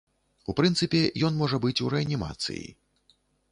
У прынцыпе, ён можа быць у рэанімацыі.